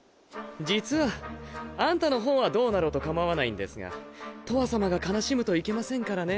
実はアンタの方はどうなろうと構わないんですがとわさまが悲しむといけませんからね。